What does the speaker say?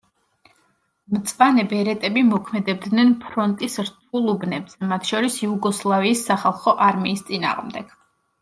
მწვანე ბერეტები მოქმედებდნენ ფრონტის რთულ უბნებზე, მათ შორის იუგოსლავიის სახალხო არმიის წინააღმდეგ.